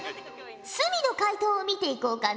角の解答を見ていこうかの？